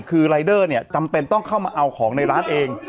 คือรายเดอร์เนี่ยจำเป็นต้องเข้ามาเอาของในร้านเอง